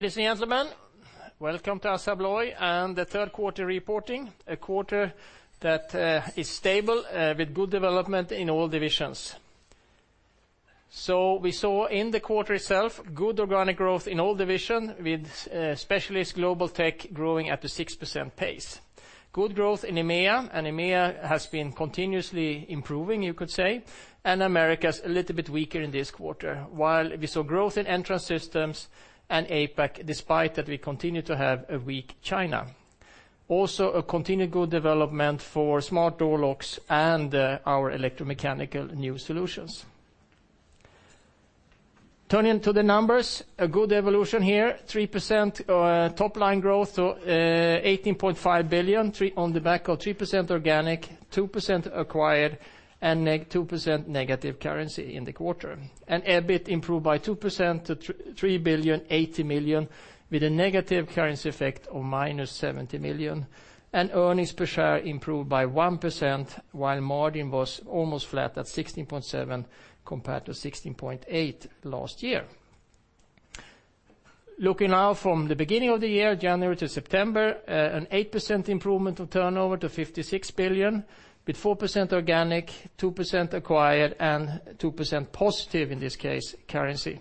Ladies and gentlemen, welcome to ASSA ABLOY and the Q3 reporting, a quarter that is stable, with good development in all divisions. We saw in the quarter itself, good organic growth in all division with specialist Global Tech growing at a 6% pace. Good growth in EMEA has been continuously improving, you could say, and Americas a little bit weaker in this quarter, while we saw growth in Entrance Systems and APAC, despite that we continue to have a weak China. Also, a continued good development for smart door locks and our electromechanical new solutions. Turning to the numbers, a good evolution here. 3% top line growth to 18.5 billion, on the back of 3% organic, 2% acquired, and 2% negative currency in the quarter. EBIT improved by 2% to 3.08 billion with a negative currency effect of -70 million, and earnings per share improved by 1%, while margin was almost flat at 16.7 compared to 16.8 last year. Looking now from the beginning of the year, January to September, an 8% improvement of turnover to 56 billion, with 4% organic, 2% acquired, and 2% positive, in this case, currency.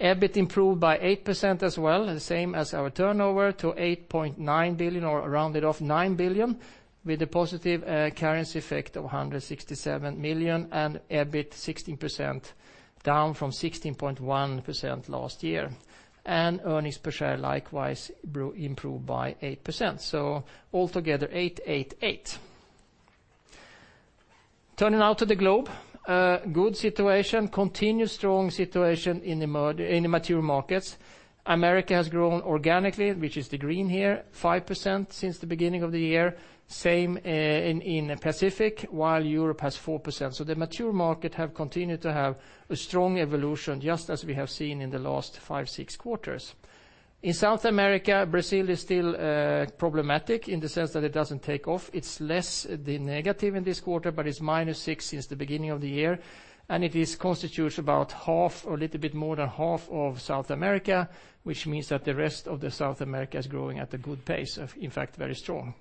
EBIT improved by 8% as well, the same as our turnover to 8.9 billion, or rounded off 9 billion, with a positive currency effect of 167 million, and EBIT 16%, down from 16.1% last year. Earnings per share likewise improved by 8%, so altogether, 8%, 8%, 8% Turning now to the globe, a good situation, continued strong situation in the mature markets. America has grown organically, which is the green here, 5% since the beginning of the year. Same, in Pacific, while Europe has 4%, so the mature market have continued to have a strong evolution, just as we have seen in the last five, six quarters. In South America, Brazil is still problematic in the sense that it doesn't take off. It's less the negative in this quarter, but it's -6 since the beginning of the year, and it is constitutes about half or a little bit more than half of South America, which means that the rest of the South America is growing at a good pace of, in fact, very strong.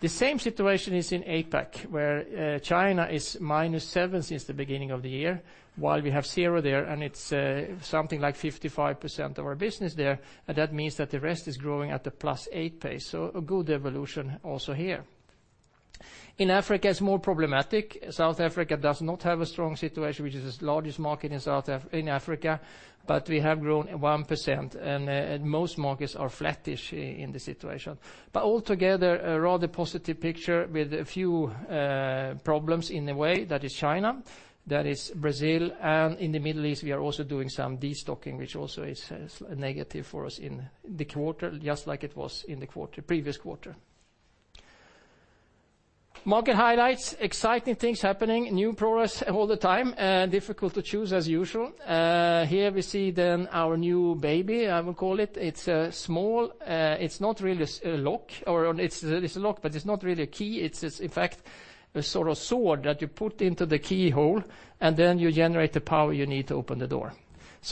The same situation is in APAC, where China is -7 since the beginning of the year, while we have zero there, and it's something like 55% of our business there, and that means that the rest is growing at a +8 pace. A good evolution also here. In Africa, it's more problematic. South Africa does not have a strong situation, which is its largest market in South Africa, but we have grown 1%, and most markets are flattish in the situation. Altogether, a rather positive picture with a few problems in a way. That is China, that is Brazil, and in the Middle East, we are also doing some destocking, which also is a negative for us in the quarter, just like it was in the quarter, previous quarter. Market highlights, exciting things happening, new progress all the time, and difficult to choose as usual. Here we see our new baby, I would call it. It's a small, it's not really a lock. It's a lock, but it's not really a key. It's in fact a sort of sword that you put into the keyhole, and then you generate the power you need to open the door.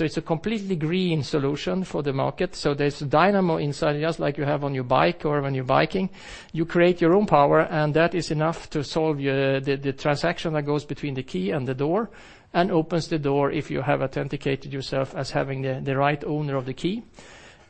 It's a completely green solution for the market, so there's a dynamo inside, just like you have on your bike or when you're biking. You create your own power, and that is enough to solve your, the transaction that goes between the key and the door and opens the door if you have authenticated yourself as having the right owner of the key.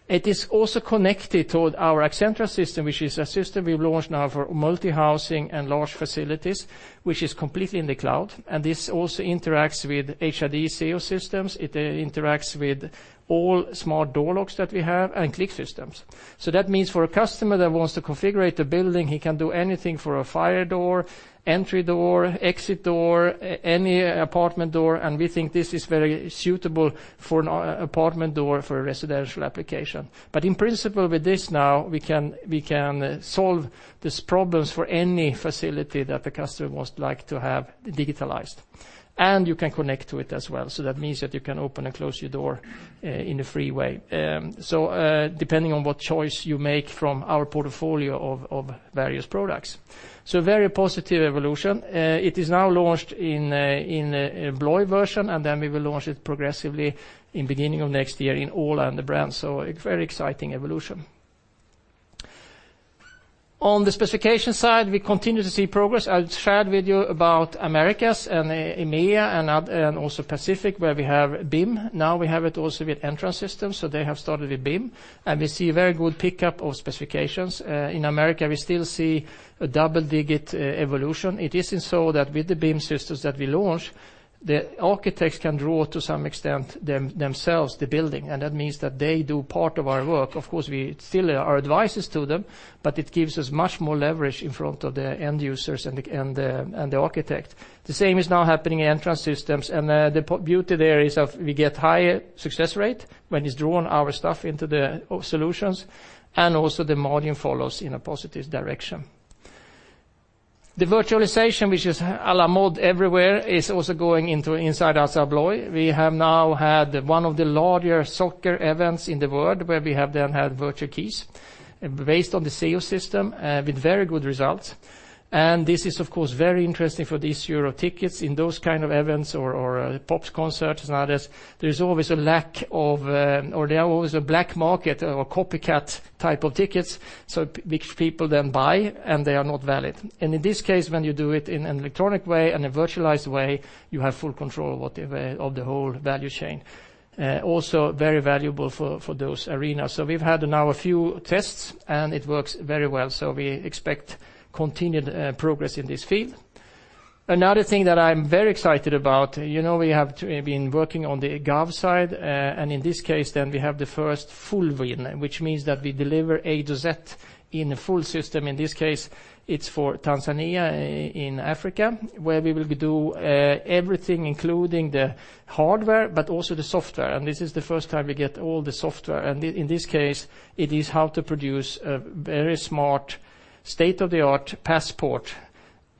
It is also connected to our ACCENTRA system, which is a system we've launched now for multi-housing and large facilities, which is completely in the cloud, and this also interacts with HID Seos systems. It interacts with all smart door locks that we have and CLIQ systems. So that means for a customer that wants to configure the building, he can do anything for a fire door, entry door, exit door, any apartment door, and we think this is very suitable for an apartment door for a residential application, but in principle, with this now, we can solve these problems for any facility that the customer wants, like, to have digitalized, and you can connect to it as well, so that means that you can open and close your door in a free way. Depending on what choice you make from our portfolio of various products. Very positive evolution. It is now launched in ABLOY version, and then we will launch it progressively in beginning of next year in all other brands, so very exciting evolution. On the specification side, we continue to see progress. I'll share with you about Americas and EMEA and also Pacific, where we have BIM. Now we have it also with Entrance Systems, so they have started with BIM, and we see very good pickup of specifications. In America, we still see a double-digit evolution. It isn't so that with the BIM systems that we launch, the architects can draw to some extent themselves, the building, and that means that they do part of our work. Of course, we still are advisors to them, but it gives us much more leverage in front of the end users and the architect. The same is now happening in Entrance Systems, and the beauty there is we get higher success rate when it's drawn our stuff into the solutions, and also the margin follows in a positive direction. The virtualization, which is a la mode everywhere, is also going into inside ASSA ABLOY. We have now had one of the larger soccer events in the world where we have then had virtual keys based on the Seos system, with very good results, and this is of course very interesting for this Euro tickets. In those kind of events or pops concerts and others, there's always a lack of or there are always a black market or copycat type of tickets, so which people then buy, and they are not valid. In this case, when you do it in an electronic way and a virtualized way, you have full control whatever of the whole value chain. Also very valuable for those arenas, so we've had now a few tests, and it works very well, so we expect continued progress in this field. Another thing that I'm very excited about, you know we have been working on the gov side, and in this case then we have the first full win, which means that we deliver a desert in a full system. In this case, it's for Tanzania in Africa, where we will do everything including the hardware but also the software, and this is the first time we get all the software, and in this case, it is how to produce a very smart state-of-the-art passport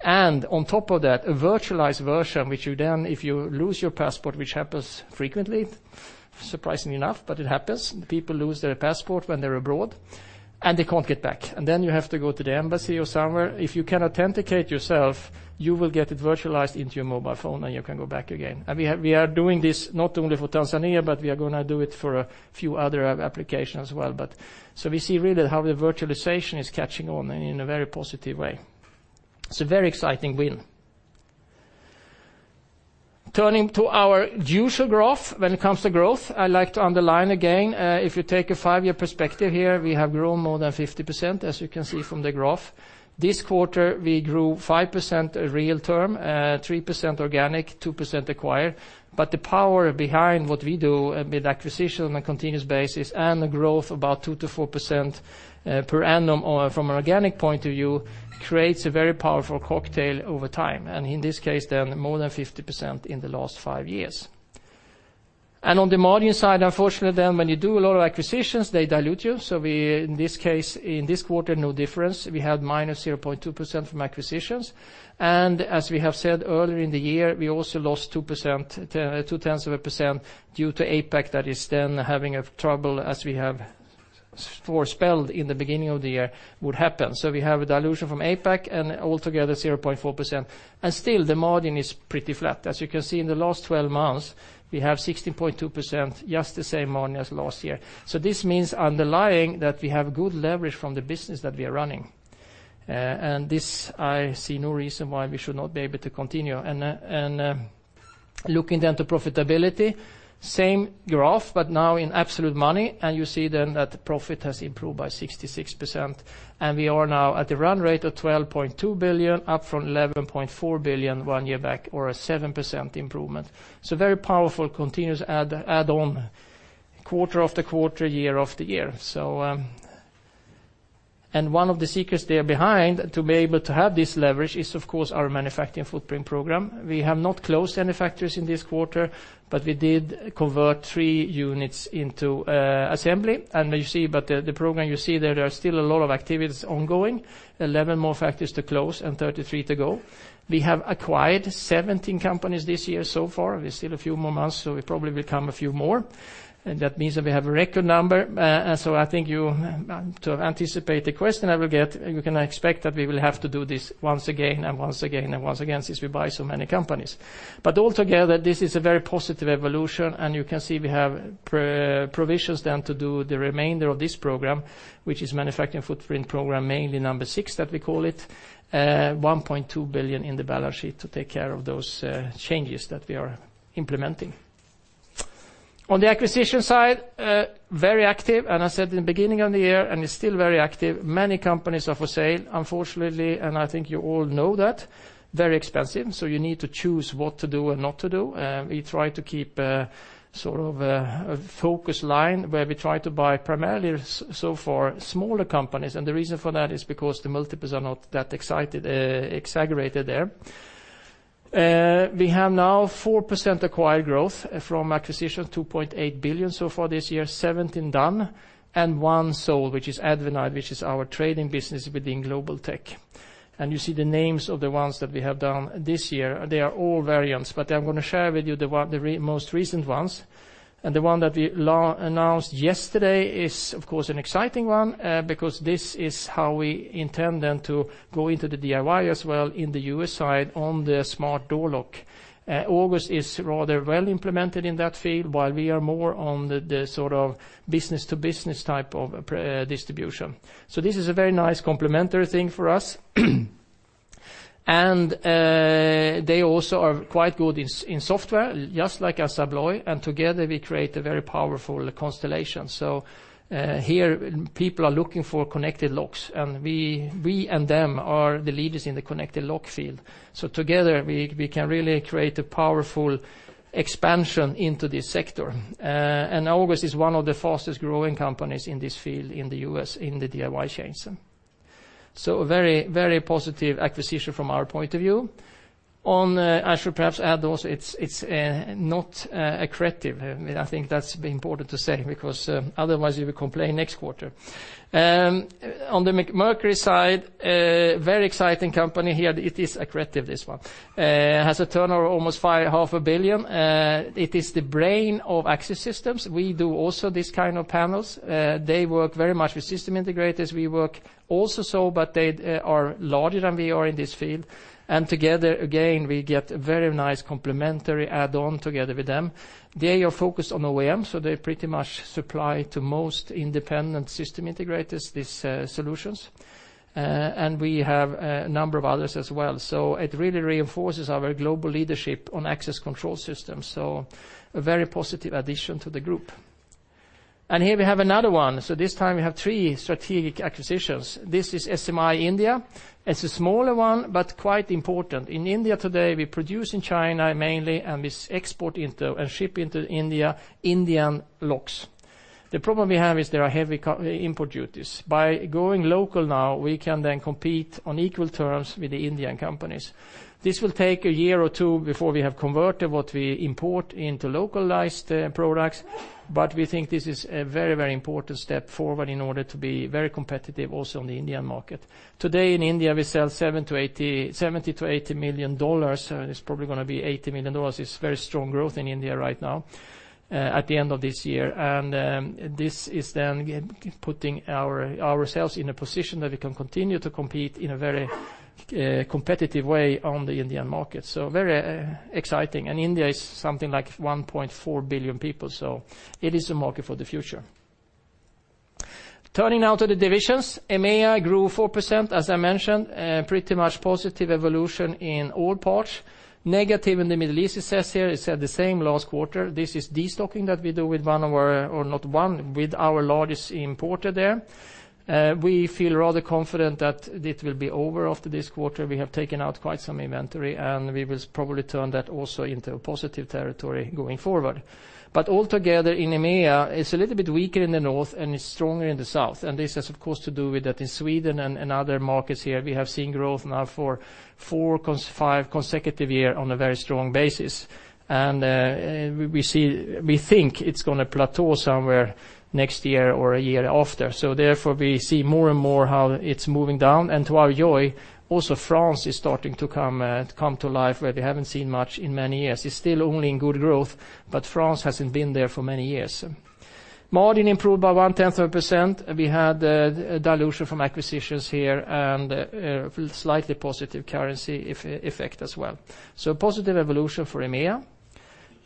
and on top of that a virtualized version which you then, if you lose your passport, which happens frequently, surprisingly enough, but it happens. People lose their passport when they're abroad, and they can't get back, and then you have to go to the embassy or somewhere. If you can authenticate yourself, you will get it virtualized into your mobile phone, and you can go back again. We are doing this not only for Tanzania, but we are going to do it for a few other applications as well, so we see really how the virtualization is catching on in a very positive way. It is a very exciting win. Turning to our usual graph when it comes to growth, I like to underline again, if you take a five-year perspective here, we have grown more than 50%, as you can see from the graph. This quarter, we grew 5% real term, 3% organic, 2% acquired, but the power behind what we do with acquisition on a continuous basis and the growth about 2%-4% per annum or from an organic point of view creates a very powerful cocktail over time, and in this case more than 50% in the last five years. On the margin side, unfortunately then when you do a lot of acquisitions, they dilute you, so we in this case, in this quarter, no difference. We had -0.2% from acquisitions, and as we have said earlier in the year, we also lost 0.2% due to APAC that is then having a trouble as we have forespelled in the beginning of the year would happen, so we have a dilution from APAC and altogether 0.4%, and still the margin is pretty flat. As you can see in the last 12 months, we have 16.2%, just the same margin as last year. This means underlying that we have good leverage from the business that we are running, and this I see no reason why we should not be able to continue. Looking to profitability, same graph but now in absolute money, you see that the profit has improved by 66%, and we are now at the run rate of 12.2 billion, up from 11.4 billion one year back or a 7% improvement. Very powerful continuous add on quarter after quarter, year after year, and one of the secrets there behind to be able to have this leverage is of course our manufacturing footprint program. We have not closed any factories in this quarter, but we did convert three units into assembly, and you see there are still a lot of activities ongoing. 11 more factories to close and 33 to go. We have acquired 17 companies this year so far. We're still a few more months. It probably will come a few more, and that means that we have a record number. I think you, to anticipate the question I will get, you can expect that we will have to do this once again and once again and once again, since we buy so many companies, but altogether, this is a very positive evolution, and you can see we have provisions then to do the remainder of this program, which is manufacturing footprint program, mainly number six that we call it, 1.2 billion in the balance sheet to take care of those changes that we are implementing. On the acquisition side, very active, and I said in the beginning of the year, and it's still very active, many companies are for sale. Unfortunately, and I think you all know that, very expensive. You need to choose what to do and not to do. We try to keep sort of a focus line where we try to buy primarily so far smaller companies, and the reason for that is because the multiples are not that excited, exaggerated there. We have now 4% acquired growth from acquisition 2.8 billion so far this year, 17 done, and one sold, which is AdvanIDe, which is our trading business within Global Technologies. You see the names of the ones that we have done this year. They are all variants, but I'm gonna share with you the most recent ones. The one that we announced yesterday is of course an exciting one, because this is how we intend then to go into the DIY as well in the U.S. side on the smart door lock. August is rather well implemented in that field while we are more on the sort of business to business type of distribution, so this is a very nice complementary thing for us. They also are quite good in software just like ASSA ABLOY, and together we create a very powerful constellation. Here people are looking for connected locks, and we and them are the leaders in the connected lock field, so together, we can really create a powerful expansion into this sector, and August is one of the fastest-growing companies in this field in the U.S. in the DIY chains. A very, very positive acquisition from our point of view. I should perhaps add also it's not accretive. I mean, I think that's important to say because otherwise you will complain next quarter. On the Mercury side, a very exciting company here. It is accretive, this one. Has a turnover almost 0.5 billion. It is the brain of access systems. We do also these kind of panels. They work very much with system integrators. We work also so, but they are larger than we are in this field, and together, again, we get very nice complementary add-on together with them. They are focused on OEM, so they pretty much supply to most independent system integrators these solutions, and we have a number of others as well. It really reinforces our global leadership on access control systems, so a very positive addition to the group. Here we have another one. This time we have three strategic acquisitions. This is SMI India. It is a smaller one, but quite important. In India today, we produce in China mainly, and we export into and ship into India Indian locks. The problem we have is there are heavy import duties. By going local now, we can then compete on equal terms with the Indian companies. This will take a year or two before we have converted what we import into localized products, but we think this is a very, very important step forward in order to be very competitive also in the Indian market. Today in India, we sell $70 million-$80 million, and it is probably going to be $80 million. It's very strong growth in India right now, at the end of this year. This is then putting our, ourselves in a position that we can continue to compete in a very competitive way on the Indian market, so very exciting, and India is something like 1.4 billion people, so it is a market for the future. Turning now to the divisions, EMEA grew 4%, as I mentioned, pretty much positive evolution in all parts. Negative in the Middle East, it says here, it said the same last quarter. This is destocking that we do with one of our, or not one, with our largest importer there. We feel rather confident that it will be over after this quarter. We have taken out quite some inventory, and we will probably turn that also into a positive territory going forward. Altogether in EMEA, it's a little bit weaker in the north and it's stronger in the south, and this has of course to do with that in Sweden and other markets here, we have seen growth now for five consecutive years on a very strong basis, and we think it's gonna plateau somewhere next year or a year after. Therefore, we see more and more how it's moving down, and to our joy, also France is starting to come to life where we haven't seen much in many years. It's still only in good growth, but France hasn't been there for many years. Margin improved by 1/10 of a percent. We had a dilution from acquisitions here and a slightly positive currency effect as well, so positive evolution for EMEA.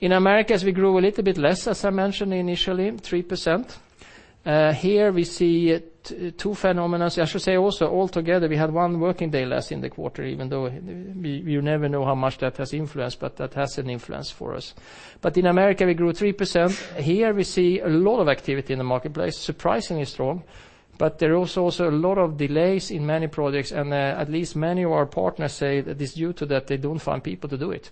In Americas, we grew a little bit less, as I mentioned initially, 3%. Here we see two phenomenons. I should say also, altogether, we had one working day less in the quarter, even though we, you never know how much that has influenced, but that has an influence for us, but in Americas, we grew 3%. Here we see a lot of activity in the marketplace, surprisingly strong, but there are also a lot of delays in many projects, and at least many of our partners say that it's due to that they don't find people to do it,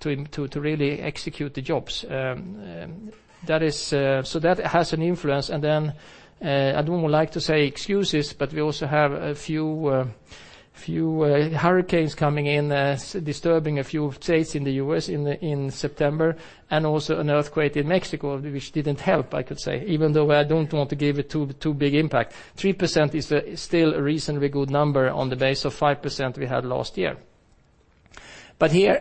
to really execute the jobs. That has an influence. I don't like to say excuses, but we also have a few hurricanes coming in, disturbing a few states in the U.S. in September, and also an earthquake in Mexico, which didn't help, I could say, even though I don't want to give it too big impact. 3% is still a reasonably good number on the base of 5% we had last year, but here,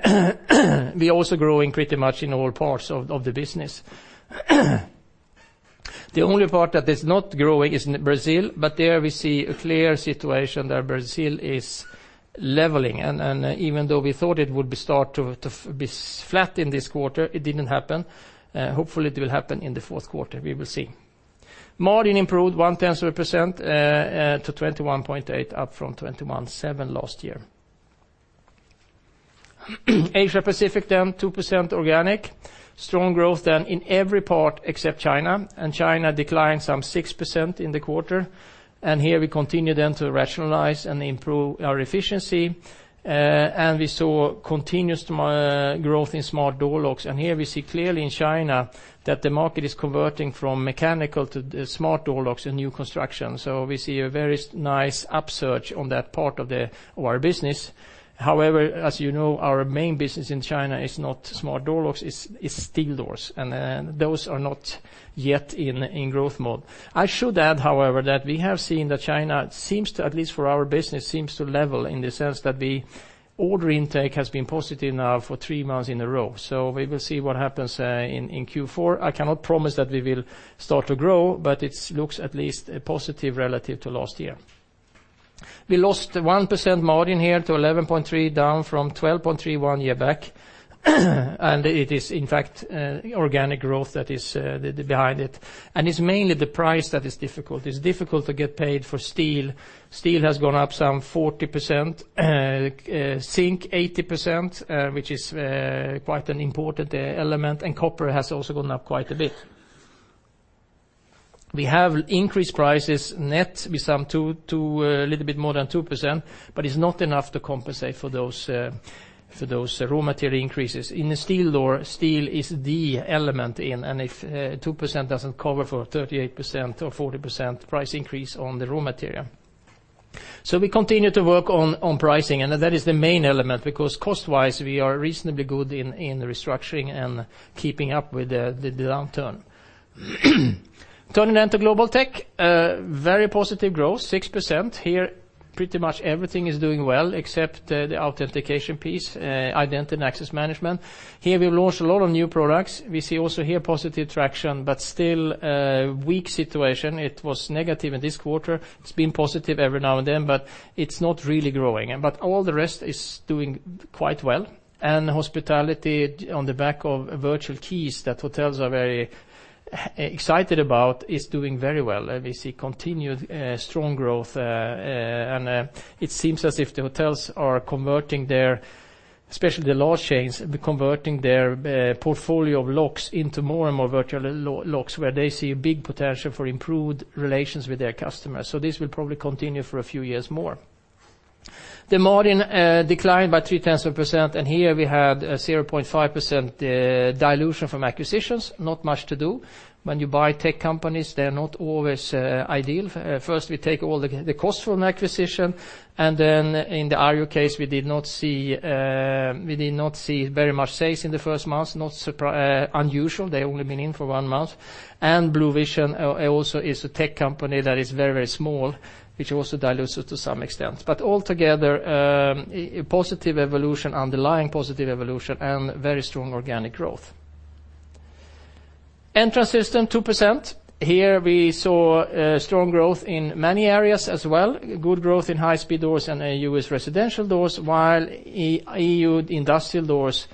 we're also growing pretty much in all parts of the business. The only part that is not growing is in Brazil, but there we see a clear situation that Brazil is leveling. Even though we thought it would start to be flat in this quarter, it didn't happen. Hopefully, it will happen in the Q4. We will see. Margin improved 0.1% to 21.8%, up from 21.7% last year. Asia Pacific, 2% organic. Strong growth in every part except China. China declined some 6% in the quarter. Here we continue to rationalize and improve our efficiency, and we saw continuous growth in smart door locks. Here we see clearly in China that the market is converting from mechanical to smart door locks in new construction, so we see a very nice upsurge on that part of our business. However, as you know, our main business in China is not smart door locks, it's steel doors. Those are not yet in growth mode. I should add, however, that we have seen that China seems to, at least for our business, seems to level in the sense that the order intake has been positive now for three months in a row. We will see what happens in Q4. I cannot promise that we will start to grow, but it looks at least positive relative to last year. We lost 1% margin here to 11.3, down from 12.3 one year back, and it is, in fact, organic growth that is behind it. It is mainly the price that is difficult. It is difficult to get paid for steel. Steel has gone up some 40%, zinc 80%, which is quite an important element, and copper has also gone up quite a bit. We have increased prices net with some two, a little bit more than 2%, but it's not enough to compensate for those for those raw material increases. In the steel door, steel is the element in, and if 2% doesn't cover for 38% or 40% price increase on the raw material. We continue to work on pricing, and that is the main element because cost-wise, we are reasonably good in restructuring and keeping up with the downturn. Turning now to Global Tech, very positive growth, 6%. Here, pretty much everything is doing well except the authentication piece, identity and access management. Here, we've launched a lot of new products. We see also here positive traction but still a weak situation. It was negative in this quarter. It's been positive every now and then, but it's not really growing, but all the rest is doing quite well. Hospitality on the back of virtual keys that hotels are very excited about is doing very well. We see continued strong growth, and it seems as if the hotels are converting their, especially the large chains, converting their portfolio of locks into more and more virtual locks where they see a big potential for improved relations with their customers, so this will probably continue for a few years more. The margin declined by 0.3%, and here we had a 0.5% dilution from acquisitions. Not much to do. When you buy tech companies, they are not always ideal. First, we take all the costs from acquisition, and in the iRevo case, we did not see very much sales in the first month, not unusual. They only been in for one month, and Bluvision also is a tech company that is very small, which also dilutes it to some extent, but altogether, a positive evolution, underlying positive evolution, and very strong organic growth. Entrance Systems, 2%. Here, we saw strong growth in many areas as well, good growth in high-speed doors and U.S. residential doors, while EU industrial doors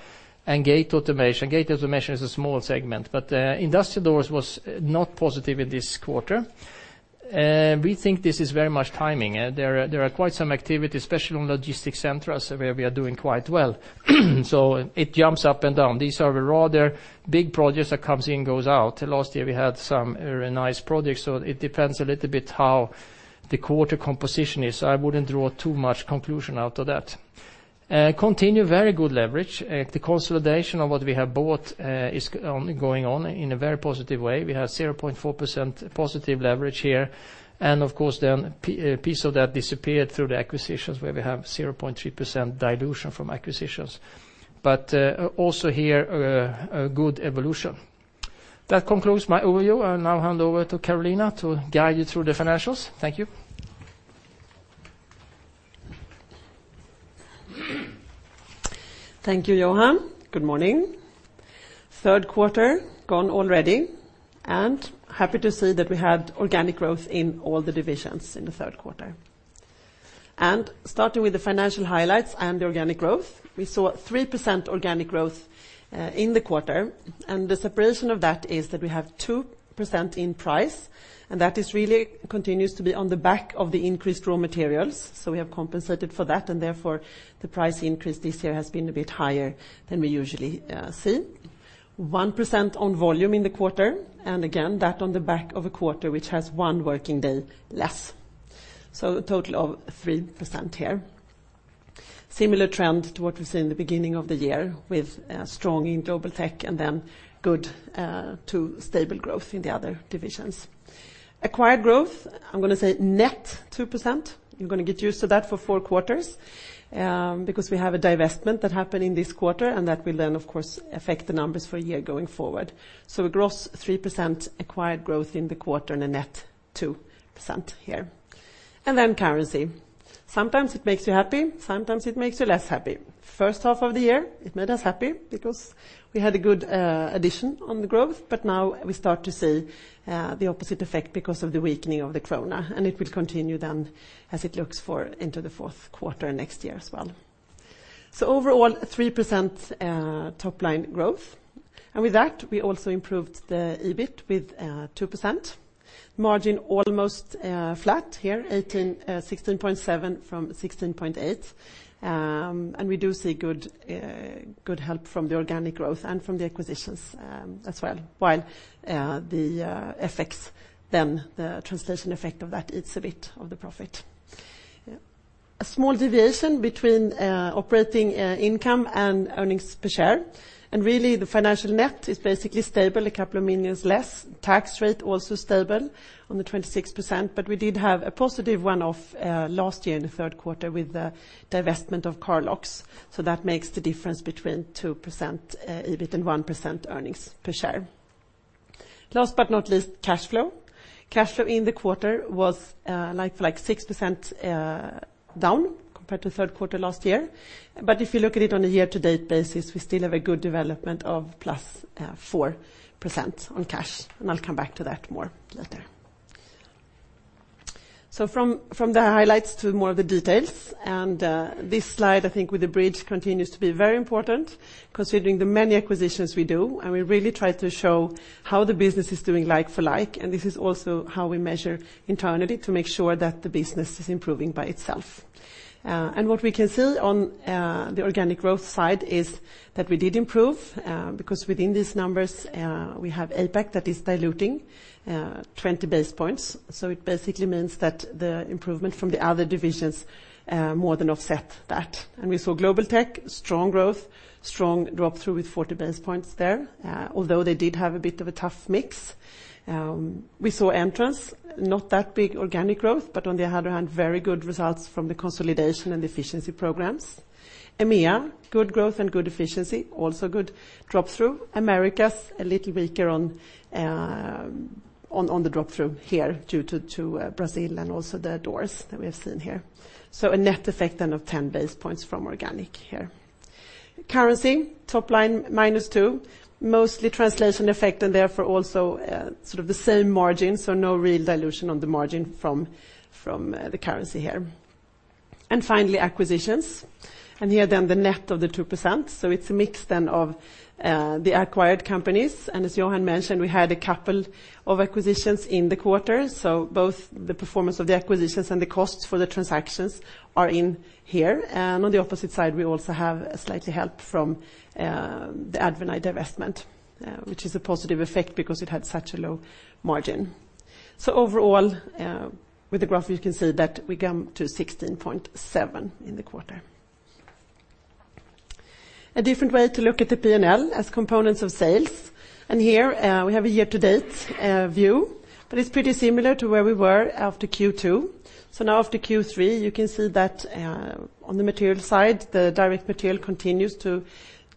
and gate automation. Gate automation is a small segment, but industrial doors was not positive in this quarter. We think this is very much timing. There are quite some activities, especially on logistics centers, where we are doing quite well. It jumps up and down. These are rather big projects that comes in, goes out. Last year, we had some very nice projects, it depends a little bit how the quarter composition is. I wouldn't draw too much conclusion out of that. Continue very good leverage. The consolidation of what we have bought, is going on in a very positive way. We have 0.4% positive leverage here, and of course, then a piece of that disappeared through the acquisitions, where we have 0.3% dilution from acquisitions. Also here a good evolution. That concludes my overview. I'll now hand over to Carolina to guide you through the financials. Thank you. Thank you, Johan. Good morning. Q3 gone already, happy to see that we had organic growth in all the Divisions in the Q3. Starting with the financial highlights and the organic growth, we saw 3% organic growth in the quarter, and the separation of that is that we have 2% in price, that is really continues to be on the back of the increased raw materials, so we have compensated for that, therefore, the price increase this year has been a bit higher than we usually see. 1% on volume in the quarter, and again, that on the back of a quarter, which has one working day less, so total of 3% here. Similar trend to what we've seen in the beginning of the year with strong in Global Tech and then good to stable growth in the other divisions. Acquired growth, I'm gonna say net 2%. You're gonna get used to that for four quarters because we have a divestment that happened in this quarter and that will then, of course, affect the numbers for a year going forward, so gross 3% acquired growth in the quarter and a net 2% here. Then currency. Sometimes it makes you happy, sometimes it makes you less happy. H1 of the year, it made us happy because we had a good addition on the growth, but now we start to see the opposite effect because of the weakening of the krona. It will continue as it looks for into the Q4 next year as well. Overall, 3% top line growth, and with that, we also improved the EBIT with 2%. Margin almost flat here, 16.7 from 16.8, and we do see good help from the organic growth and from the acquisitions as well, while the effects then, the translation effect of that eats a bit of the profit. A small deviation between operating income and earnings per share. Really, the financial net is basically stable, a couple of million less. Tax rate also stable on the 26%, but we did have a positive one-off last year in the Q3 with the divestment of car lock business, so that makes the difference between 2% EBIT and 1% earnings per share. Last but not least, cash flow. Cash flow in the quarter was like 6% down compared to Q3 last year, but if you look at it on a year-to-date basis, we still have a good development of +4% on cash. I'll come back to that more later. From the highlights to more of the details, this slide, I think, with the bridge continues to be very important considering the many acquisitions we do. We really try to show how the business is doing like for like, and this is also how we measure internally to make sure that the business is improving by itself. What we can see on the organic growth side is that we did improve because within these numbers, we have APAC that is diluting 20 base points, so it basically means that the improvement from the other divisions more than offset that. We saw Global Tech, strong growth, strong drop-through with 40 base points there, although they did have a bit of a tough mix. We saw Entrance, not that big organic growth, but on the other hand, very good results from the consolidation and efficiency programs. EMEA, good growth and good efficiency, also good drop-through. Americas, a little weaker on the drop-through here due to Brazil and also the doors that we have seen here, so a net effect then of 10 basis points from organic here. Currency, top line -2%, mostly translation effect and therefore also sort of the same margin, so no real dilution on the margin from the currency here. Finally, acquisitions. Here then the net of the 2%, so it's a mix of the acquired companies, and as Johan mentioned, we had a couple of acquisitions in the quarter, so both the performance of the acquisitions and the costs for the transactions are in here. On the opposite side, we also have a slightly help from the AdvanIDe divestment, which is a positive effect because it had such a low margin. Overall, with the graph, you can see that we come to 16.7 in the quarter. A different way to look at the P&L as components of sales. Here, we have a year-to-date view, but it's pretty similar to where we were after Q2. Now after Q3, you can see that on the material side, the direct material continues to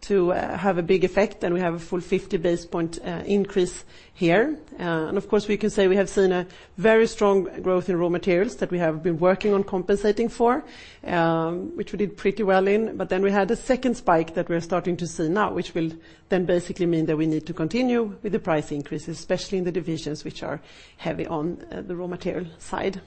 have a big effect, and we have a full 50 basis point increase here, and of course, we can say we have seen a very strong growth in raw materials that we have been working on compensating for, which we did pretty well in, but then we had a second spike that we're starting to see now, which will then basically mean that we need to continue with the price increases, especially in the divisions which are heavy on the raw material side.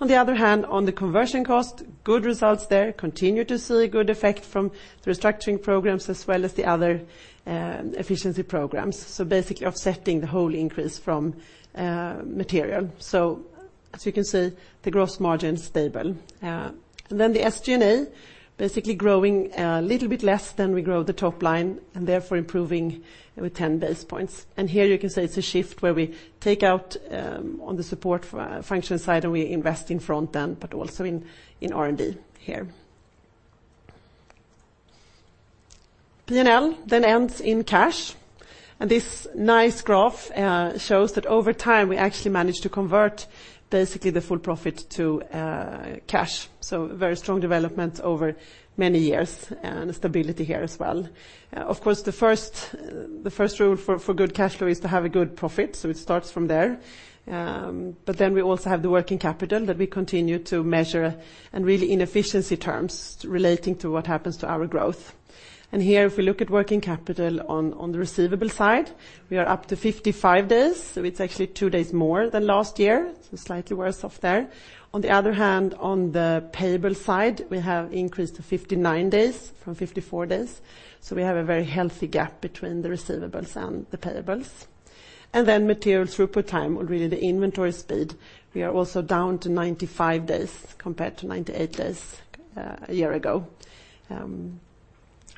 On the other hand, on the conversion cost, good results there, continue to see a good effect from the restructuring programs as well as the other efficiency programs, so basically offsetting the whole increase from material. As you can see, the gross margin is stable. Then the SG&A basically growing a little bit less than we grow the top line and therefore improving with 10 basis points, znd here you can see it's a shift where we take out on the support function side, and we invest in front end but also in R&D here. P&L then ends in cash, and this nice graph shows that over time, we actually managed to convert basically the full profit to cash, so very strong development over many years and stability here as well. Of course, the first rule for good cash flow is to have a good profit, so it starts from there, but then we also have the working capital that we continue to measure and really in efficiency terms relating to what happens to our growth. Here, if we look at working capital on the receivable side, we are up to 55 days, so it's actually two days more than last year, so slightly worse off there. On the other hand, on the payable side, we have increased to 59 days from 54 days, so we have a very healthy gap between the receivables and the payables. Material throughput time or really the inventory speed, we are also down to 95 days compared to 98 days a year ago.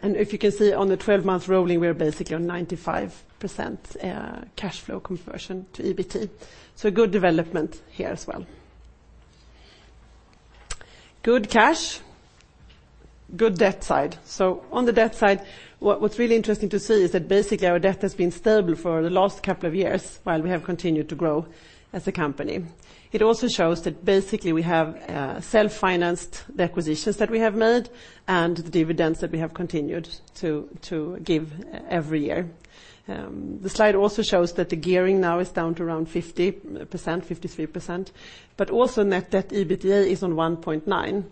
If you can see on the 12-month rolling, we're basically on 95% cash flow conversion to EBT, so a good development here as well. Good cash, good debt side. On the debt side, what's really interesting to see is that basically our debt has been stable for the last couple of years while we have continued to grow as a company. It also shows that basically we have self-financed the acquisitions that we have made and the dividends that we have continued to give every year. The slide also shows that the gearing now is down to around 50%, 53%, but also Net Debt to EBITDA is on 1.9.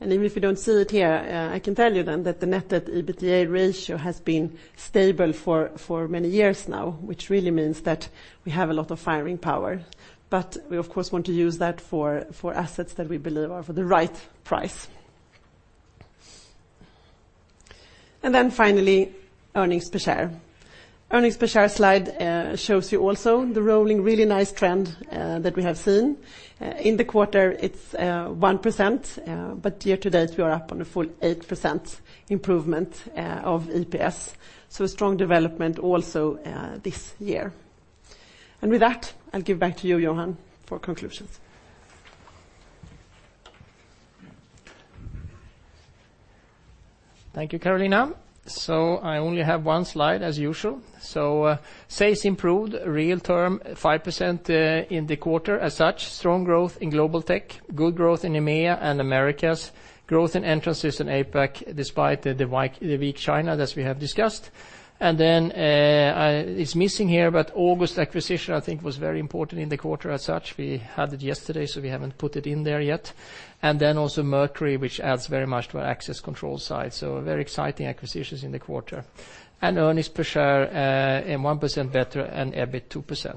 Even if you don't see it here, I can tell you then that the Net Debt to EBITDA ratio has been stable for many years now, which really means that we have a lot of firing power, but we of course want to use that for assets that we believe are for the right price. Then finally, earnings per share. Earnings per share slide shows you also the rolling really nice trend that we have seen. In the quarter, it's 1%, but year to date, we are up on a full 8% improvement of EPS, so a strong development also this year. With that, I'll give back to you, Johan, for conclusions. Thank you, Carolina. So, I only have one slide as usual. Sales improved real term 5% in the quarter. As such, strong growth in Global Tech, good growth in EMEA and Americas, growth in Entrance Systems in APAC, despite the weak China, as we have discussed, and then it's missing here, but August acquisition, I think, was very important in the quarter as such. We had it yesterday, we haven't put it in there yet. Also Mercury, which adds very much to our access control side, so a very exciting acquisitions in the quarter. Earnings per share 1% better and EBIT 2%.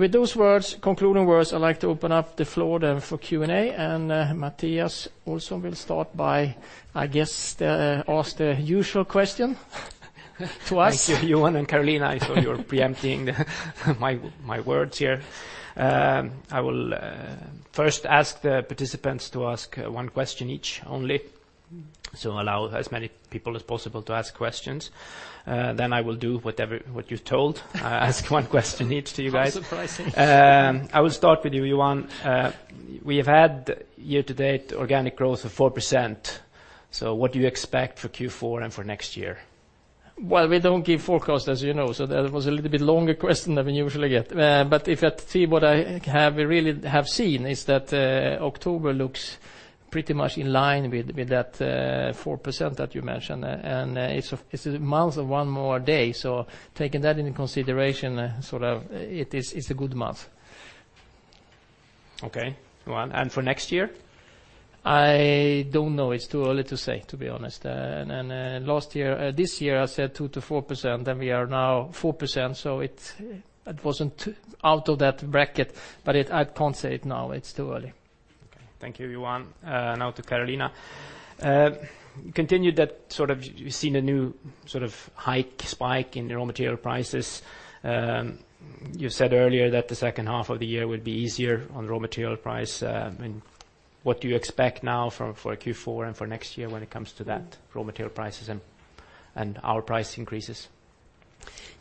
With those words, concluding words, I'd like to open up the floor then for Q&A. Mattias also will start by, I guess, ask the usual question to us. Thank you, Johan and Carolina, I saw you were preempting my words here. I will first ask the participants to ask one question each only, so allow as many people as possible to ask questions. I will do what you told, ask one question each to you guys. How surprising. I will start with you, Johan. We have had year-to-date organic growth of 4%, so what do you expect for Q4 and for next year? Well, we don't give forecasts, as you know. That was a little bit longer question than we usually get, but what we really have seen is that October looks pretty much in line with that 4% that you mentioned, and it's a month of one more day, so taking that into consideration, sort of, it's a good month. Okay. Johan, and for next year? I don't know. It's too early to say, to be honest. This year I said 2%-4%, and we are now 4%, so it wasn't out of that bracket, but I can't say it now. It's too early. Okay. Thank you, Johan. Now to Carolina. Continue that sort of you've seen a new sort of hike, spike in raw material prices. You said earlier that theH2 of the year would be easier on raw material price. What do you expect now for Q4 and for next year when it comes to that raw material prices and our price increases?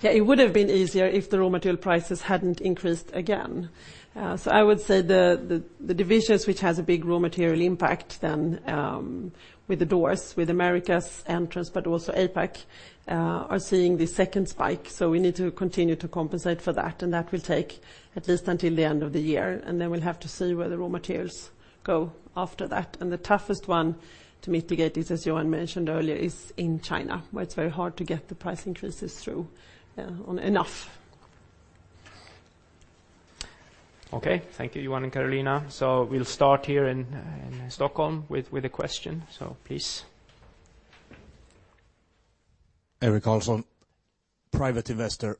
Yeah, it would've been easier if the raw material prices hadn't increased again, so I would say the, the divisions which has a big raw material impact than, with the doors, with Americas entrance, but also APAC, are seeing the second spike, so we need to continue to compensate for that, and that will take at least until the end of the year, and then we'll have to see where the raw materials go after that, and the toughest one to mitigate is, as Johan mentioned earlier, is in China, where it's very hard to get the price increases through, on enough. Okay. Thank you, Johan and Carolina. So we'll start here in Stockholm with a question. Please. Eric Carlson, private investor.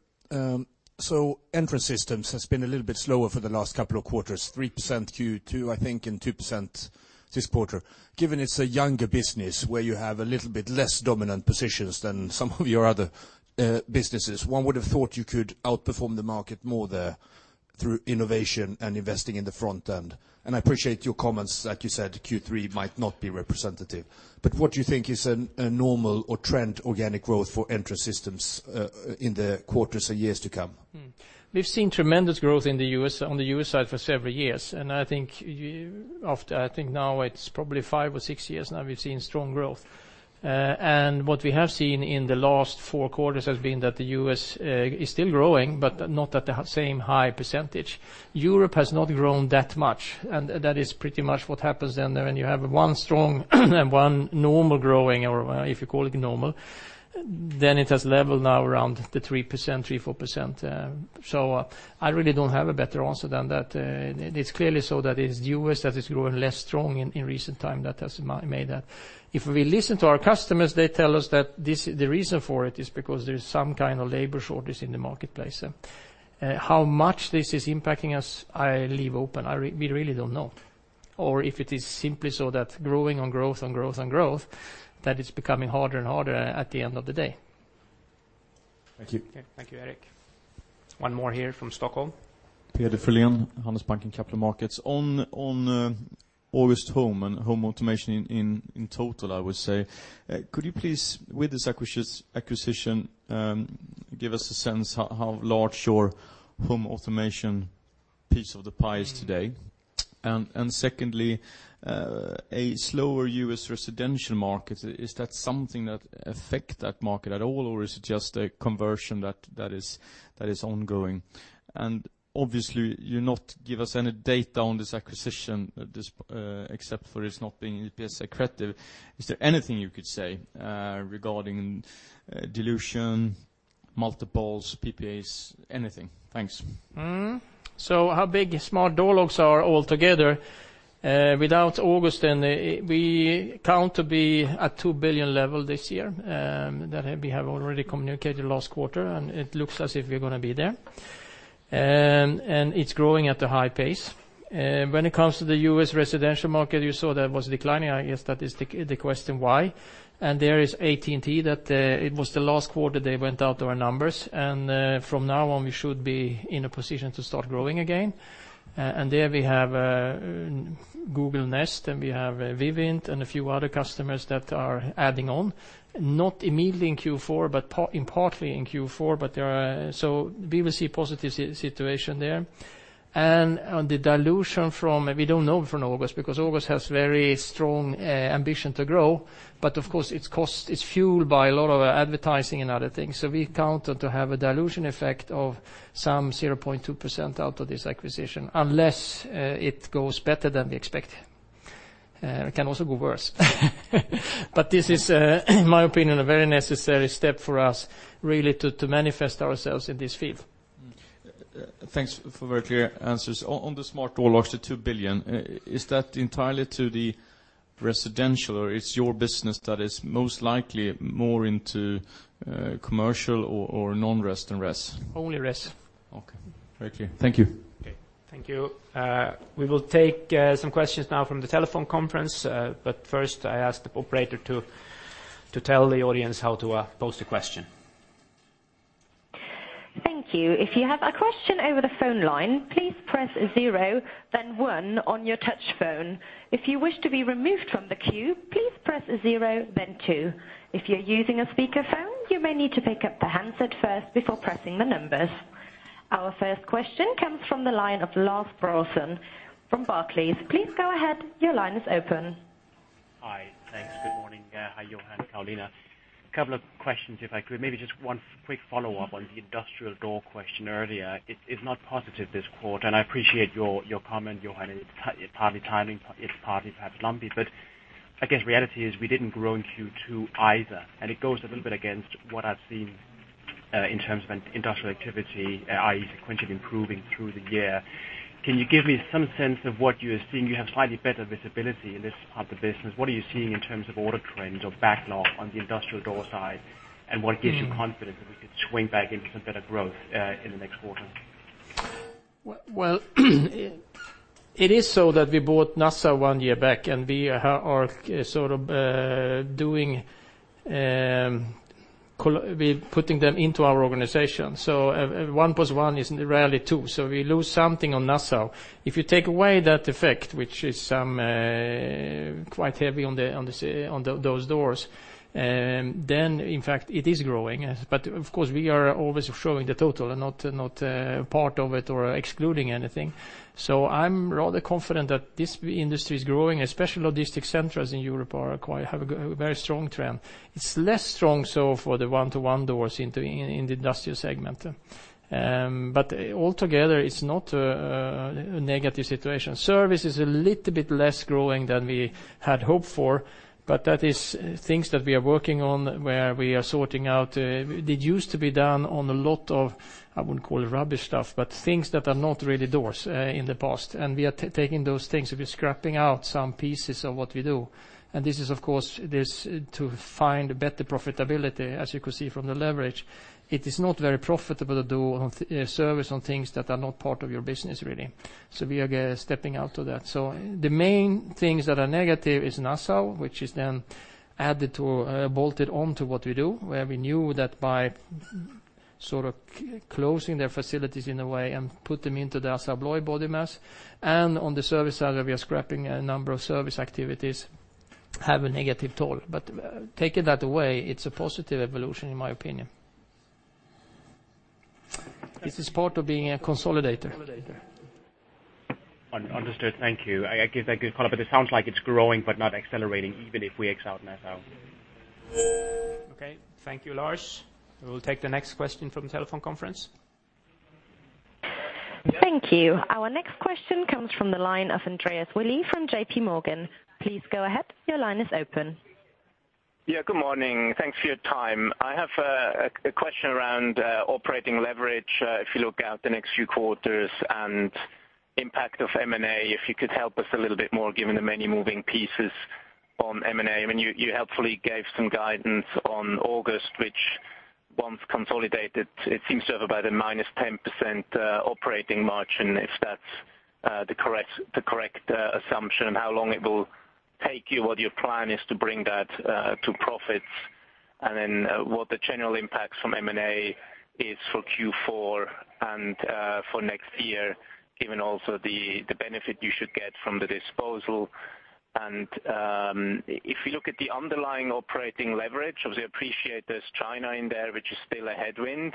Entrance Systems has been a little bit slower for the last couple of quarters, 3% Q2, I think, and 2% this quarter. Given it's a younger business where you have a little bit less dominant positions than some of your other businesses, one would have thought you could outperform the market more there through innovation and investing in the front end. I appreciate your comments that you said Q3 might not be representative, but what do you think is a normal or trend organic growth for Entrance Systems in the quarters and years to come? We've seen tremendous growth in the U.S., on the U.S. side for several years. I think after, now it's probably five or six years now we've seen strong growth, and what we have seen in the last four quarters has been that the U.S. is still growing, but not at the same high percentage. Europe has not grown that much. That is pretty much what happens when you have one strong and one normal growing, or if you call it normal, then it has leveled now around the 3%, 3%, 4%, so I really don't have a better answer than that. It's clearly so that it is the U.S. that is growing less strong in recent time that has made that. If we listen to our customers, they tell us that this, the reason for it is because there's some kind of labor shortage in the marketplace. How much this is impacting us, I leave open. We really don't know, or if it is simply so that growing on growth and growth and growth, that it's becoming harder and harder at the end of the day. Thank you. Okay. Thank you, Eric. One more here from Stockholm. Peder Frölén, Handelsbanken Capital markets. On August Home and home automation in total, I would say, could you please, with this acquisition, give us a sense how large your home automation piece of the pie is today? Secondly, a slower U.S. residential market, is that something that affect that market at all, or is it just a conversion that is ongoing? Obviously, you not give us any data on this acquisition at this, except for it's not being EPS accretive. Is there anything you could say regarding dilution, multiples, PPAs, anything? Thanks. How big smart door locks are altogether, without August then, we count to be at 2 billion level this year, that we have already communicated last quarter, and it looks as if we're gonna be there, and it's growing at a high pace. When it comes to the U.S. residential market, you saw that was declining. I guess that is the question why, and there is AT&T that it was the last quarter they went out to our numbers. From now on, we should be in a position to start growing again. There we have Google Nest, and we have Vivint, and a few other customers that are adding on. Not immediately in Q4, but partly in Q4, so we will see a positive situation there. On the dilution from, we don't know for August because August has very strong ambition to grow, but of course, its cost is fueled by a lot of advertising and other things. We count to have a dilution effect of some 0.2% out of this acquisition, unless it goes better than we expect. It can also go worse, but this is, in my opinion, a very necessary step for us really to manifest ourselves in this field. Thanks for very clear answers. On the smart door locks, the 2 billion, is that entirely to the residential or it's your business that is most likely more into, commercial or non-res than res? Only res. Okay. Very clear. Thank you. Okay. Thank you. We will take some questions now from the telephone conference, but first I ask the operator to tell the audience how to pose the question. Thank you. If you have a question over the phone line please press zero, then one on your touch phone. If you wish to be remissed from the queue, please press zero then two. If you are using a speaker phone, you may need to pick up a handset first before pressing the numbers. Our first question comes from the line of Lars Brorson from Barclays. Please go ahead. Your line is open. Hi. Thanks. Good morning. Hi, Johan and Carolina. Couple of questions, if I could. Maybe just one quick follow-up on the industrial door question earlier. It is not positive, this quarter, and I appreciate your comment, Johan. It's partly timing, it's partly perhaps Loomis. I guess reality is we didn't grow in Q2 either, and it goes a little bit against what I've seen in terms of an industrial activity, i.e., sequentially improving through the year. Can you give me some sense of what you are seeing? You have slightly better visibility in this part of the business. What are you seeing in terms of order trends or backlog on the industrial door side, and what gives you confidence that we could swing back into some better growth in the next quarter? Well, it is so that we bought Nassau one year back, and we are sort of doing, we're putting them into our organization. One plus one isn't really two, so we lose something on Nassau. If you take away that effect, which is some quite heavy on the those doors, then in fact it is growing, but of course, we are always showing the total and not part of it or excluding anything. So, I'm rather confident that this industry is growing, especially logistic centers in Europe are quite, have a very strong trend. It's less strong so for the one-to-one doors into, in the industrial segment, but altogether, it's not a negative situation. Service is a little bit less growing than we had hoped for, but that is things that we are working on where we are sorting out that used to be done on a lot of, I wouldn't call it rubbish stuff, but things that are not really doors in the past, and we are taking those things. We've been scrapping out some pieces of what we do, and this is of course, this to find better profitability, as you can see from the leverage. It is not very profitable to do on service on things that are not part of your business really, so we are stepping out of that. The main things that are negative is Nassau, which is then added to, bolted onto what we do, where we knew that by sort of closing their facilities in a way and put them into the ASSA ABLOY body mass, and on the service side, we are scrapping a number of service activities, have a negative toll, but taking that away, it's a positive evolution in my opinion. This is part of being a consolidator. Un-understood. Thank you. I give that good call, but it sounds like it's growing but not accelerating, even if we X out Nassau. Okay. Thank you, Lars. We will take the next question from telephone conference. Thank you. Our next question comes from the line of Andre Willi from JPMorgan. Please go ahead. Your line is open. Yeah, good morning. Thanks for your time. I have a question around operating leverage, if you look out the next few quarters and impact of M&A, if you could help us a little bit more, given the many moving pieces on M&A. I mean, you helpfully gave some guidance on August, which once consolidated, it seems to have about a -10% operating margin, if that's the correct assumption, how long it will take you, what your plan is to bring that to profits, and then what the general impacts from M&A is for Q4 and for next year, given also the benefit you should get from the disposal. If you look at the underlying operating leverage, obviously appreciate there's China in there, which is still a headwind.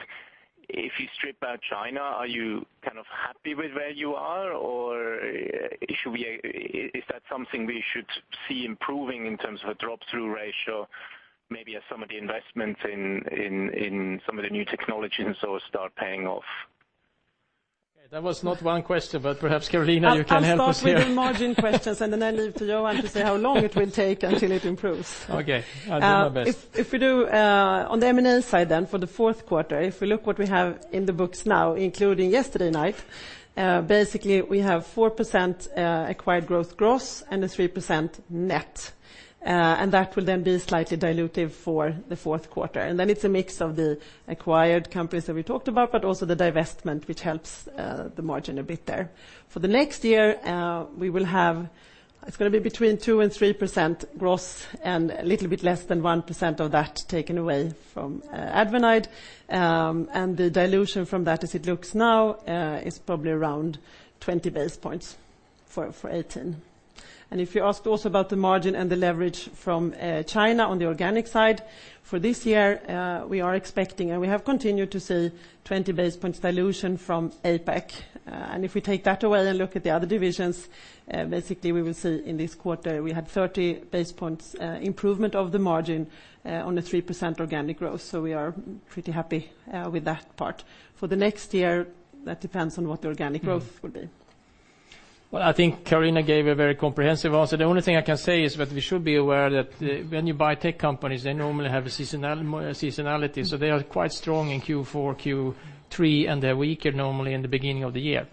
If you strip out China, are you kind of happy with where you are or is that something we should see improving in terms of a drop-through ratio? Maybe as some of the investments in some of the new technologies or start paying off. Okay. That was not one question, but perhaps Carolina, you can help us here. I'll start with the margin questions, and then I leave to Johan to say how long it will take until it improves. Okay. I'll do my best. If we do on the M&A side for Q4, if we look what we have in the books now, including yesterday night, basically we have 4% acquired growth gross and a 3% net, and that will then be slightly dilutive for Q4. It's a mix of the acquired companies that we talked about, but also the divestment, which helps the margin a bit there. For the next year, we will have it's going to be between 2%-3% gross and a little bit less than 1% of that taken away from AdvanIDe, and the dilution from that as it looks now, is probably around 20 basis points for 2018. If you ask also about the margin and the leverage from China on the organic side, for this year, we are expecting, and we have continued to see 20 base points dilution from APAC. If we take that away and look at the other divisions, basically we will see in this quarter, we had 30 base points improvement of the margin on a 3% organic growth, so we are pretty happy with that part. For the next year, that depends on what the organic growth will be. Well, I think Carolina gave a very comprehensive answer. The only thing I can say is that we should be aware that when you buy tech companies, they normally have a seasonality, so they are quite strong in Q4, Q3, and they're weaker normally in the beginning of the year.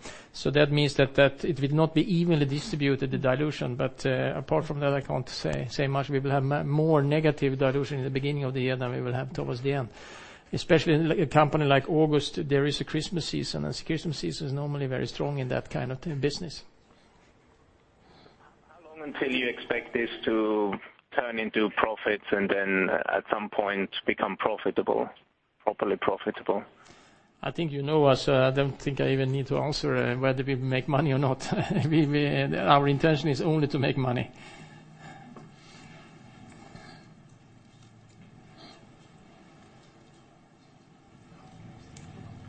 That means that it will not be evenly distributed, the dilution, but apart from that, I can't say much. We will have more negative dilution in the beginning of the year than we will have towards the end. Especially in a company like August, there is a Christmas season, and Christmas season is normally very strong in that kind of business. How long until you expect this to turn into profits and then at some point become profitable, properly profitable? I think you know us. I don't think I even need to answer whether we make money or not. Our intention is only to make money.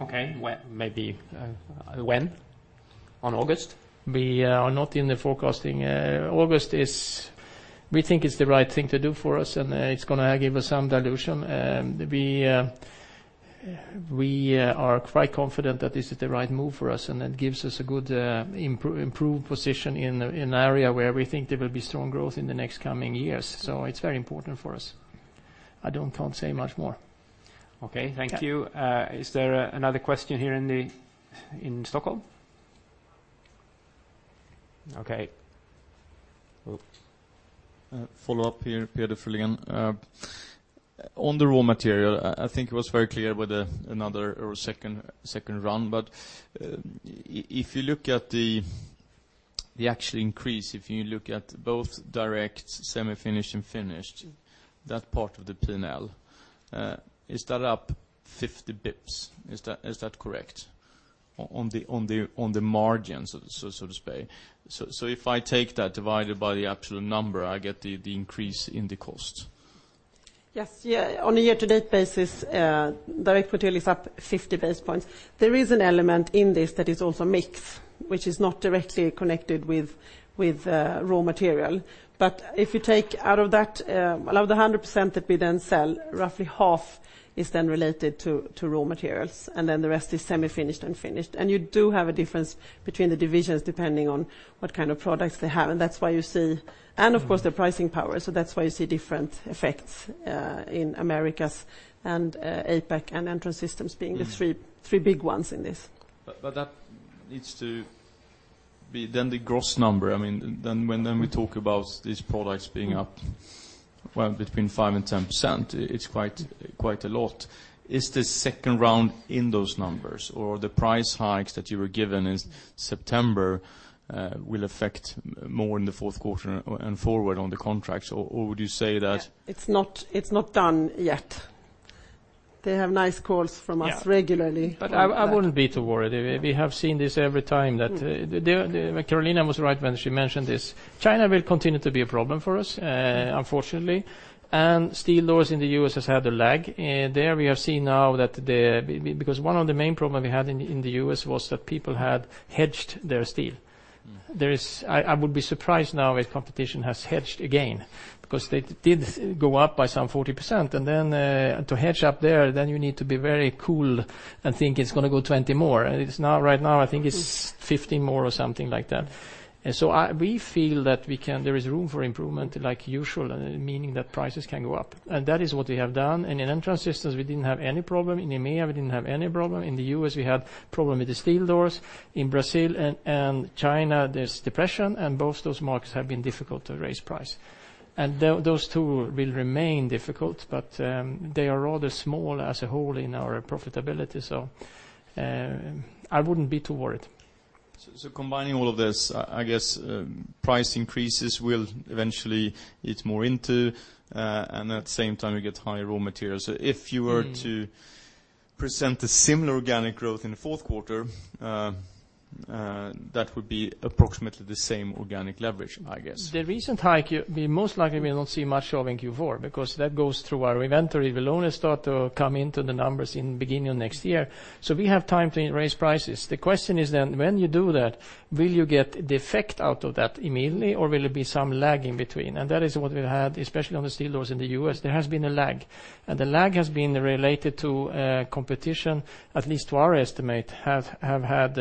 Okay. When, maybe, when? On August? We are not in the forecasting. August is, we think it's the right thing to do for us, and it's gonna give us some dilution. We are quite confident that this is the right move for us, and it gives us a good improved position in an area where we think there will be strong growth in the next coming years, so i's very important for us. I don't, can't say much more. Okay. Thank you. Is there another question here in Stockholm? Okay. Follow up here, Peder Frölén. On the raw material, I think it was very clear with the second run. If you look at the actual increase, if you look at both direct semifinished and finished, that part of the P&L, is that up 50 basis points? Is that correct? On the margins, so to speak. If I take that divided by the absolute number, I get the increase in the cost. Yes. Yeah, on a year-to-date basis, direct material is up 50 basis points. There is an element in this that is also mix, which is not directly connected with raw material, but if you take out of that, out of the 100% that we then sell, roughly half is then related to raw materials, and then the rest is semifinished and finished, and you do have a difference between the divisions depending on what kind of products they have, and of course their pricing power, so that's why you see different effects in Americas and APAC, and Entrance Systems being the three big ones in this. But that needs to be then the gross number. I mean, when we talk about these products being up, well, between 5% and 10%, it's quite a lot. Is the second round in those numbers, or the price hikes that you were given in September, will affect more in the Q4 and forward on the contracts? Or would you say that? Yeah. It's not done yet. They have nice calls from us regularly on that. I wouldn't be too worried. We have seen this every time that. The Carolina was right when she mentioned this. China will continue to be a problem for us, unfortunately, and steel doors in the U.S. has had a lag. There we have seen now that because one of the main problem we had in the U.S. was that people had hedged their steel. I would be surprised now if competition has hedged again, because they did go up by some 40%, and then to hedge up there, then you need to be very cool and think it's gonna go 20 more. It's not right now. I think it's 15 more or something like that. We feel that we can, there is room for improvement like usual, meaning that prices can go up, and that is what we have done. In Entrance Systems we didn't have any problem. In EMEA we didn't have any problem. In the U.S. we had problem with the steel doors. In Brazil and China there's depression, and both those markets have been difficult to raise price. Those two will remain difficult, but they are rather small as a whole in our profitability. I wouldn't be too worried. Combining all of this, I guess, price increases will eventually eat more into, and at the same time you get higher raw materials. If you were to present a similar organic growth in the Q4, that would be approximately the same organic leverage, I guess. The recent hike, we most likely will not see much of in Q4, because that goes through our inventory. It will only start to come into the numbers in beginning of next year, so we have time to raise prices. The question is then, when you do that, will you get the effect out of that immediately, or will it be some lag in between, and that is what we had, especially on the steel doors in the U.S. There has been a lag. The lag has been related to competition, at least to our estimate, have had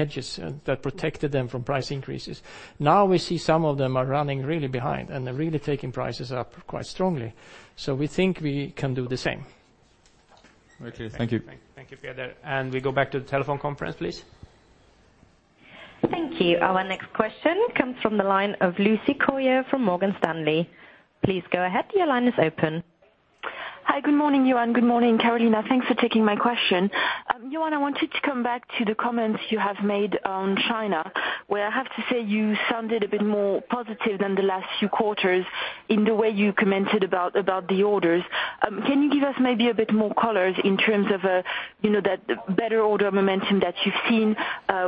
hedges that protected them from price increases. Now we see some of them are running really behind, and they're taking prices up quite strongly, so we think we can do the same. Okay, thank you. Thank you, Peder. We go back to the telephone conference, please. Thank you. Our next question comes from the line of Lucie Carrier from Morgan Stanley. Please go ahead, your line is open. Hi, good morning, Johan. Good morning, Carolina. Thanks for taking my question. Johan, I wanted to come back to the comments you have made on China, where I have to say you sounded a bit more positive than the last few quarters in the way you commented about the orders. Can you give us maybe a bit more colors in terms of, you know, that better order momentum that you've seen,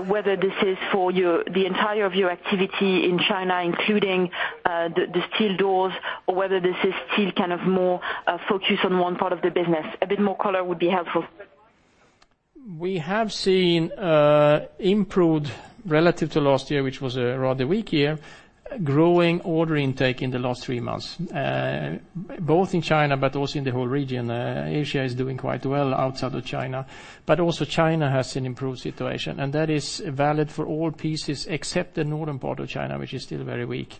whether this is for the entire of your activity in China, including the steel doors, or whether this is still kind of more focused on one part of the business? A bit more color would be helpful. We have seen improved relative to last year, which was a rather weak year, growing order intake in the last three months. Both in China but also in the whole region. Asia is doing quite well outside of China, but also China has an improved situation, and that is valid for all pieces except the northern part of China, which is still very weak,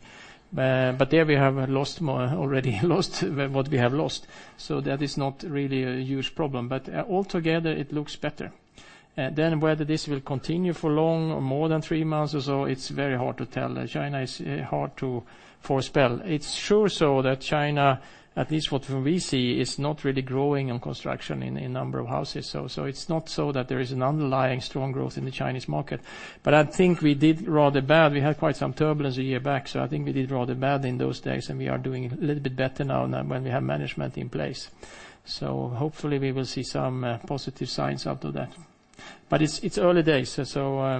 but there we have lost more, already lost what we have lost, that is not really a huge problem. Altogether it looks better. Whether this will continue for long or more than three months or so, it's very hard to tell. China is hard to foretell. It's sure so that China, at least from what we see, is not really growing in construction in number of houses. It's not so that there is an underlying strong growth in the Chinese market, but I think we did rather bad, we had quite some turbulence a year back, I think we did rather bad in those days, and we are doing a little bit better now when we have management in place, so hopefully we will see some positive signs out of that, but it's, it's early days, so I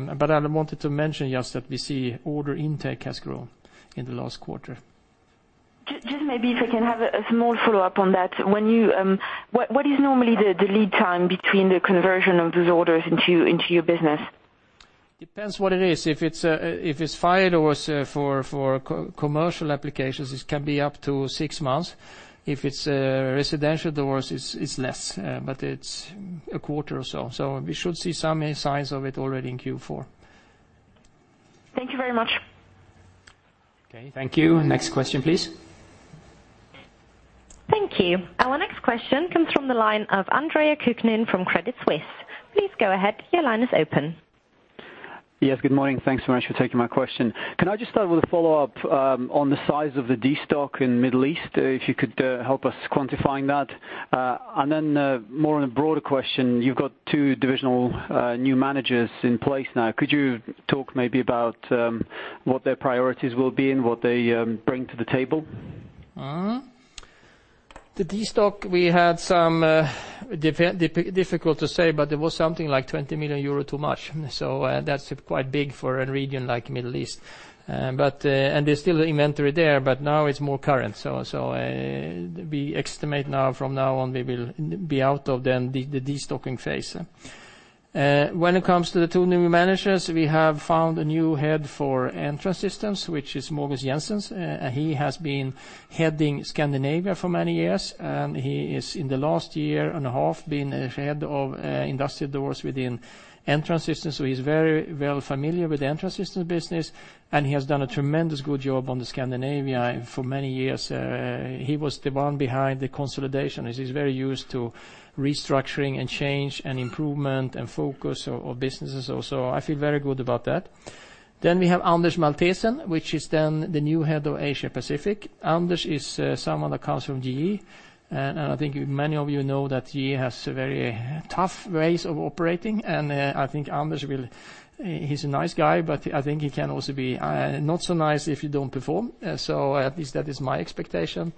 wanted to mention just that we see order intake has grown in the last quarter. Just maybe if I can have a small follow-up on that. When you, what is normally the lead time between the conversion of those orders into your business? Depends what it is. If it's fire doors for commercial applications, it can be up to six months. If it's residential doors, it's less, but it's a quarter or so. We should see some signs of it already in Q4. Thank you very much. Okay, thank you. Next question, please. Thank you. Our next question comes from the line of Andre Kukhnin from Credit Suisse. Yes, good morning. Thanks so much for taking my question. Can I just start with a follow-up on the size of the destock in Middle East? If you could help us quantifying that. Then more on a broader question, you've got two divisional new managers in place now. Could you talk maybe about what their priorities will be and what they bring to the table? The destock we had some difficult to say, but there was something like 20 million euro too much. That's quite big for a region like Middle East. There's still inventory there, but now it's more current, so we estimate from now on we will be out of the destocking phase. When it comes to the two new managers, we have found a new head for Entrance Systems, which is Mogens Jensen. He has been heading Scandinavia for many years, and he is in the last 1.5 years been head of industrial doors within Entrance Systems, so he's very well familiar with Entrance Systems business, and he has done a tremendous good job on the Scandinavia for many years. He was the one behind the consolidation. He's very used to restructuring and change and improvement and focus of businesses also. I feel very good about that. Then we have Anders Maltesen, which is then the new head of Asia Pacific. Anders is someone that comes from GE, and I think many of you know that GE has a very tough ways of operating. I think he's a nice guy, but I think he can also be not so nice if you don't perform. At least that is my expectation.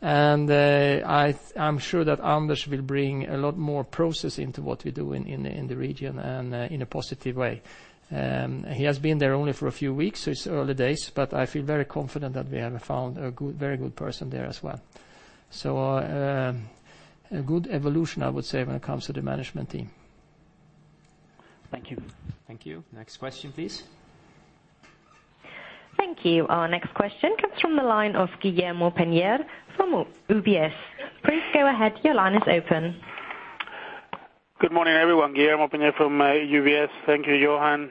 I'm sure that Anders will bring a lot more process into what we do in the region in a positive way. He has been there only for a few weeks, so it's early days, but I feel very confident that we have found a good, very good person there as well. A good evolution, I would say, when it comes to the management team. Thank you. Thank you. Next question, please. Thank you. Our next question comes from the line of Guillermo Peigneux from UBS. Please go ahead. Your line is open. Good morning, everyone. Guillermo Peigneux from UBS. Thank you, Johan,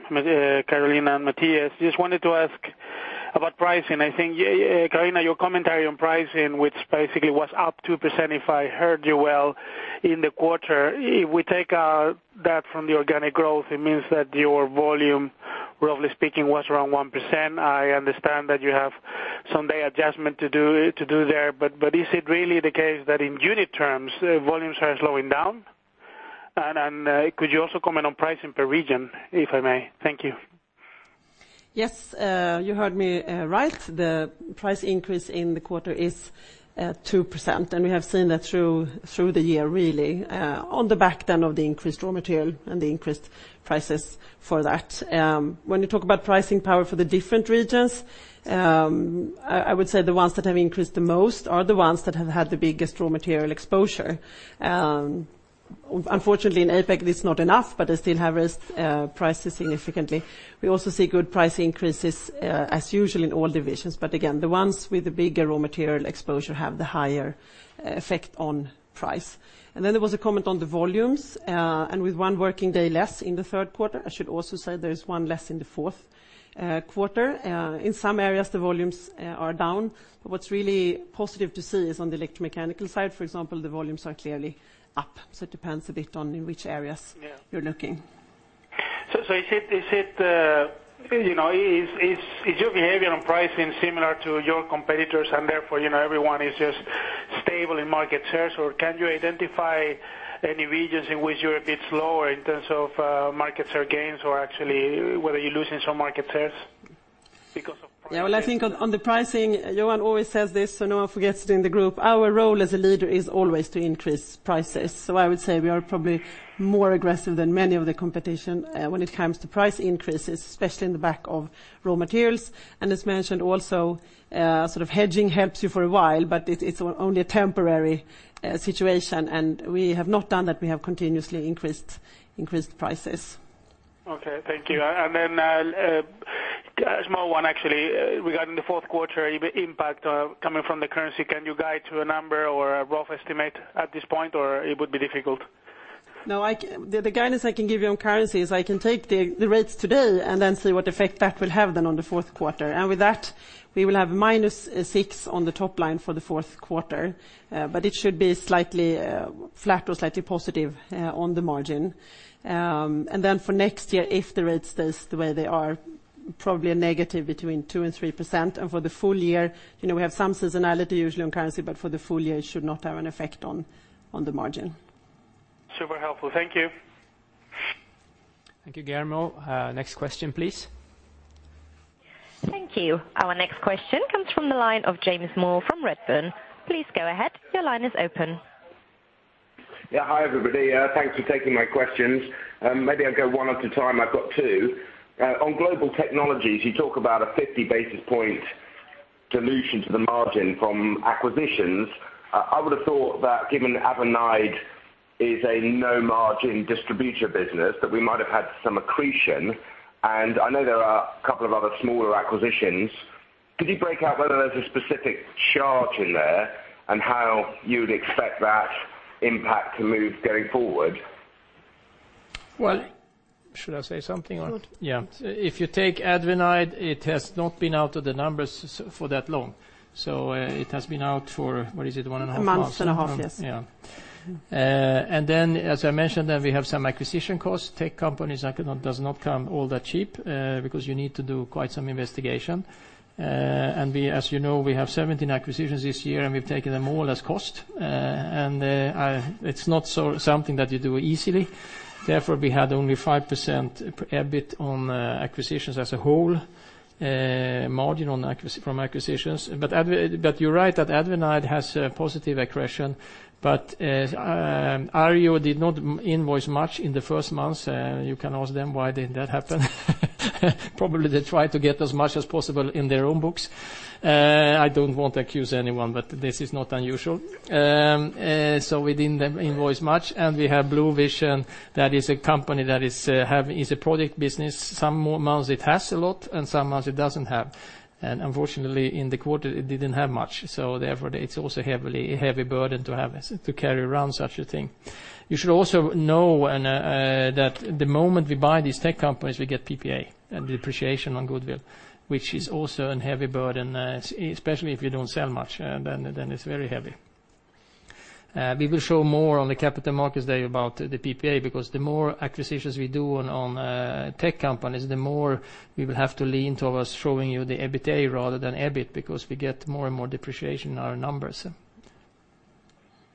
Carolina, and Mattias. Just wanted to ask about pricing. I think, Carolina, your commentary on pricing, which basically was up 2%, if I heard you well, in the quarter, if we take that from the organic growth, it means that your volume, roughly speaking, was around 1%. I understand that you have some day adjustment to do there, but is it really the case that in unit terms, volumes are slowing down? Could you also comment on pricing per region, if I may? Thank you. Yes, you heard me right. The price increase in the quarter is 2%, we have seen that through the year really, on the back then of the increased raw material and the increased prices for that. When you talk about pricing power for the different regions, I would say the ones that have increased the most are the ones that have had the biggest raw material exposure. Unfortunately, in APAC, it's not enough, but they still have raised prices significantly. We also see good price increases, as usual in all divisions, but again, the ones with the bigger raw material exposure have the higher effect on price. There was a comment on the volumes, and with one working day less in the Q3 I should also say there is one less in the Q4. In some areas, the volumes are down. What's really positive to see is on the electromechanical side, for example, the volumes are clearly up, so it depends a bit on in which areas you're looking. Is it, you know, is your behavior on pricing similar to your competitors and therefore, you know, everyone is just stable in market shares? Can you identify any regions in which you're a bit slower in terms of market share gains or actually whether you're losing some market shares because of pricing? Well, I think on the pricing, Johan always says this, no one forgets it in the group. Our role as a leader is always to increase prices, so I would say we are probably more aggressive than many of the competition, when it comes to price increases, especially in the back of raw materials. As mentioned also, sort of hedging helps you for a while, but it's only a temporary situation, and we have not done that. We have continuously increased prices. Okay, thank you. A small one actually regarding the Q4 impact, coming from the currency. Can you guide to a number or a rough estimate at this point, or it would be difficult? The guidance I can give you on currency is I can take the rates today and see what effect that will have on the Q4. With that, we will have -6% on the top line for the Q4, but It should be slightly flat or slightly positive on the margin. Then for next year, if the rates stay the way they are, probably a negative between 2%-3%, and for the full year, you know, we have some seasonality usually on currency, but for the full year, it should not have an effect on the margin. Super helpful. Thank you. Thank you, Guillermo. Next question, please. Thank you. Our next question comes from the line of James Moore from Redburn. Please go ahead, your line is open. Yeah. Hi, everybody. Thanks for taking my questions. Maybe I'll go one at a time, I've got two. On Global Technologies, you talk about a 50 basis point dilution to the margin from acquisitions. I would've thought that given AdvanIDe is a no margin distributor business, that we might have had some accretion, and I know there are a couple of other smaller acquisitions. Could you break out whether there's a specific charge in there, and how you'd expect that impact to move going forward? Well, should I say something or? You could. Yeah. If you take AdvanIDe, it has not been out of the numbers for that long. It has been out for, what is it? 1.5 months. 1.5 months, yes. Yeah. Then as I mentioned, that we have some acquisition costs. Tech companies economic does not come all that cheap, because you need to do quite some investigation. We as you know, we have 17 acquisitions this year, and we've taken them all as cost. It's not so something that you do easily. Therefore, we had only 5% EBIT on acquisitions as a whole, margin from acquisitions. You're right that AdvanIDe has a positive accretion, iRevo did not invoice much in the first months. You can ask them why didn't that happen. Probably they tried to get as much as possible in their own books. I don't want to accuse anyone, but this is not unusual. We didn't invoice much, we have Bluvision, that is a company that is a product business. Some months it has a lot and some months it doesn't have. Unfortunately, in the quarter it didn't have much, so therefore it's also a heavy burden to carry around such a thing. You should also know that the moment we buy these tech companies, we get PPA depreciation on goodwill, which is also a heavy burden, especially if you don't sell much, then it's very heavy. We will show more on the capital markets day about the PPA, because the more acquisitions we do on tech companies, the more we will have to lean towards showing you the EBITDA rather than EBIT, because we get more and more depreciation in our numbers.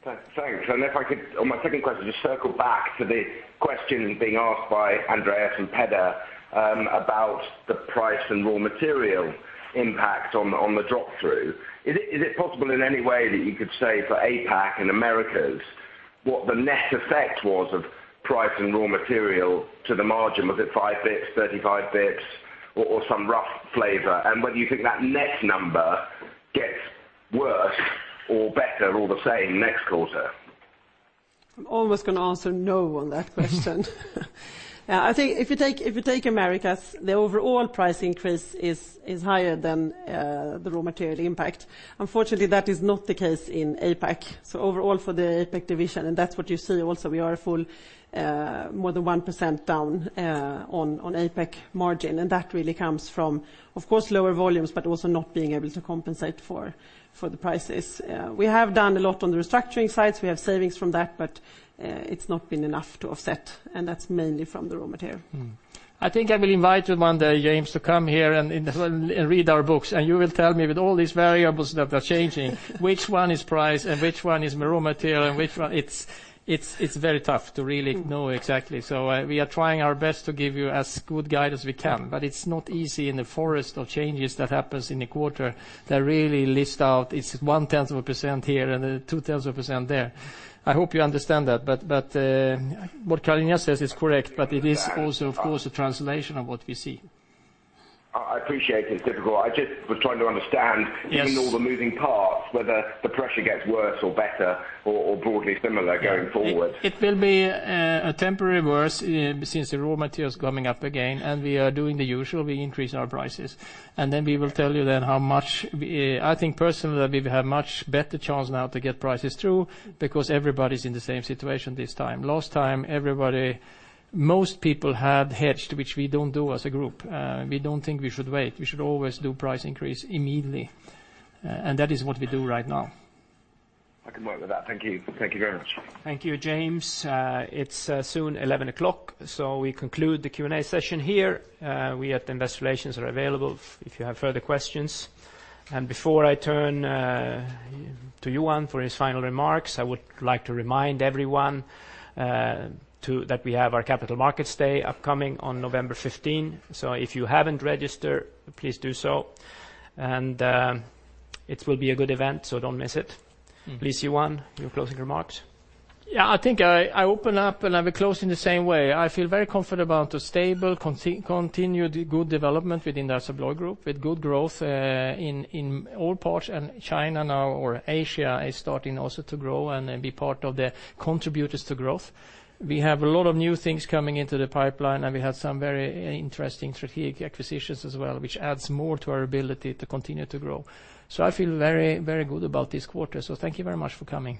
Thanks. If I could on my second question, just circle back to the question being asked by Andre Kukhnin and Peder Frölén about the price and raw material impact on the drop-through. Is it possible in any way that you could say for APAC and Americas, what the net effect was of price and raw material to the margin? Was it 5 basis points, 35 basis points or some rough flavor? Whether you think that net number gets worse or better or the same next quarter? I'm almost gonna answer no on that question. I think if you take Americas, the overall price increase is higher than the raw material impact. Unfortunately, that is not the case in APAC, so overall, for the APAC division, and that's what you see also, we are a full, more than 1% down on APAC margin, and that really comes from, of course, lower volumes, but also not being able to compensate for the prices. We have done a lot on the restructuring sides. We have savings from that, but it's not been enough to offset, and that's mainly from the raw material. I think I will invite you one day, James, to come here and read our books, and you will tell me with all these variables that are changing, which one is price and which one is raw material and which one? It's very tough to really know exactly. We are trying our best to give you as good guide as we can, but it's not easy in the forest of changes that happens in a quarter that really list out, it's 0.1% here and 0.2% there. I hope you understand that, but what Carolina says is correct, it is also, of course, a translation of what we see. I appreciate it's difficult. I just was trying to understand. Given all the moving parts, whether the pressure gets worse or better or broadly similar going forward. It will be a temporary worse, since the raw material is coming up again and we are doing the usual. We increase our prices, and then we will tell you then how much. I think personally, we have much better chance now to get prices through because everybody's in the same situation this time. Last time, everybody, most people had hedged, which we don't do as a group. We don't think we should wait. We should always do price increase immediately, and that is what we do right now. I can work with that. Thank you. Thank you very much. Thank you, James. It's soon 11 oclock, so we conclude the Q&A session here. We at Investor Relations are available if you have further questions. Before I turn to Johan for his final remarks, I would like to remind everyone that we have our Capital Markets Day upcoming on November 15, so if you haven't registered, please do so. It will be a good event, don't miss it. Please, Johan, your closing remarks. I think I open up and I will close in the same way. I feel very comfortable about the stable, continued good development within the ASSA ABLOY Group, with good growth in all parts, and China now or Asia is starting also to grow and be part of the contributors to growth. We have a lot of new things coming into the pipeline, we have some very interesting strategic acquisitions as well, which adds more to our ability to continue to grow. I feel very good about this quarter. Thank you very much for coming.